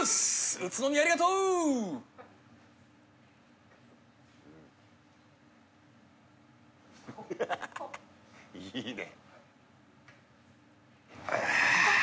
宇都宮ありがとうハハハハいいね